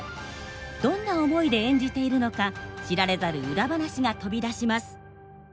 どんな思いで演じているのか知られざるウラ話が飛び出します。